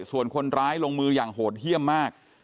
ส่วนคนร้ายลงมืออย่างโหดเยี่ยมมาก